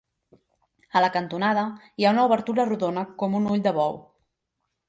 A la cantonada hi ha una obertura rodona com un ull de bou.